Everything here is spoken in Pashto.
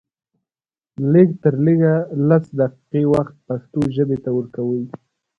لږ تر لږه لس دقيقې وخت پښتو ژبې ته ورکوئ